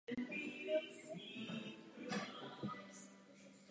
Těchto kurzů se účastnili i zaměstnanci Bílého domu.